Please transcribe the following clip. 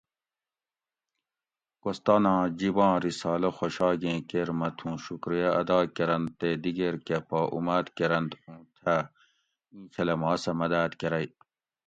کوستاناں جِباں رسالہ خوشاگیں کیر مہ تھوں شکریہ ادا کۤرنت تے دیگیر کہ پا اُماۤد کۤرنت اُوں تھہ اینچھلہ ما سہ مداۤد کۤرئی